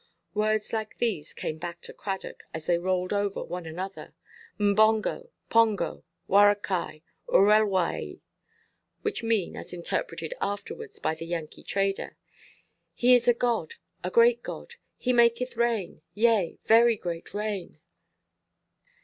Words like these came back to Cradock, as they rolled over one another— "Mbongo, pongo; warakai, urelwäi;" which mean, as interpreted afterwards by the Yankee trader, "He is a God, a great God; he maketh rain, yea, very great rain!"